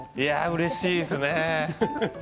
うれしいですね。